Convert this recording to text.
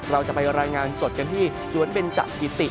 เราจะไปรายงานสดกันที่สวนเบนจักิติ